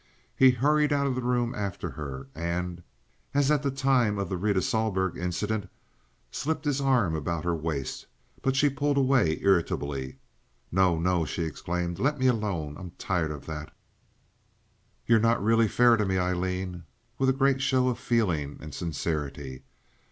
He hurried out of the room after her, and (as at the time of the Rita Sohlberg incident) slipped his arm about her waist; but she pulled away irritably. "No, no!" she exclaimed. "Let me alone. I'm tired of that." "You're really not fair to me, Aileen," with a great show of feeling and sincerity.